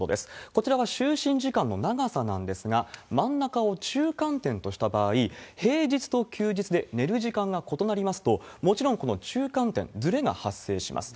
こちらは就寝時間の長さなんですが、真ん中を中間点とした場合、平日と休日で寝る時間が異なりますと、もちろんこの中間点、ずれが発生します。